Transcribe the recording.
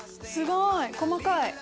すごい細かい。